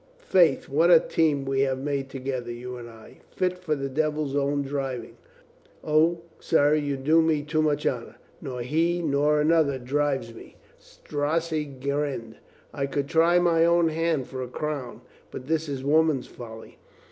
"Faith, what a team we had made together, you and L Fit for the devil's own driving!" "O, sir, you do me too much honor. Nor he nor another drives me." Strozzi grinned. "I would try my own hand for a crown. But this is woman's folly.